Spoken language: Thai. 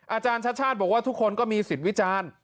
อาจารย์ชัดชาติบอกว่าทุกคนก็มีสิทธิ์วิจารณ์